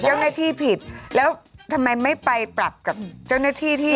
เจ้าหน้าที่ผิดแล้วทำไมไม่ไปปรับกับเจ้าหน้าที่ที่